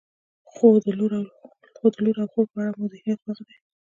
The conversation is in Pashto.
خو د لور او خور په اړه مو ذهنیت همغه دی.